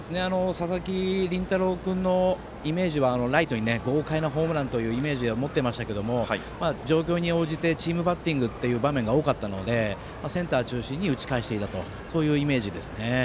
佐々木麟太郎君のイメージは、ライトに豪快なホームランというイメージを持ってましたけど状況に応じてチームバッティングっていう場面が多かったんでセンター中心に打ち返していたというイメージですね。